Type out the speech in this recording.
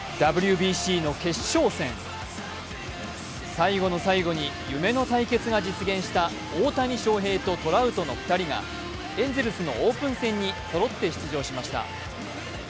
最後の最後に夢の対決が実現した大谷翔平とトラウトの２人がエンゼルスのオープン戦にそろって出場しました。